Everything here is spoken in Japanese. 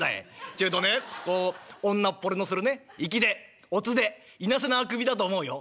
ちょいとねこう女っぽれのするね粋でオツでいなせなあくびだと思うよ」。